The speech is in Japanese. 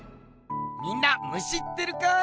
みんなムシってるかい？